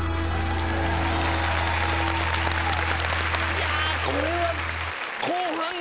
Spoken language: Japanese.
いやこれは。